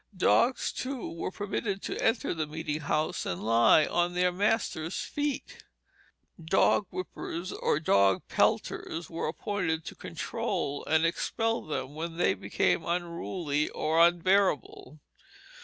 Dogs, too, were permitted to enter the meeting house and lie on their masters' feet. Dog whippers or dog pelters were appointed to control and expel them when they became unruly or unbearable.